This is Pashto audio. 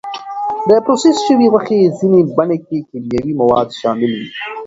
د پروسس شوې غوښې ځینې بڼې کې کیمیاوي مواد شامل وي.